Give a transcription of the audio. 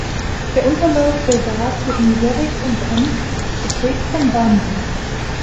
Der Unterlauf der Saar zwischen Serrig und Konz ist geprägt vom Weinbau.